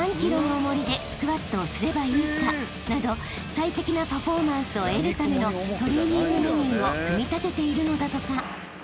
［最適なパフォーマンスを得るためのトレーニングメニューを組み立てているのだとか］